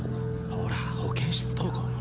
ほら保健室登校の。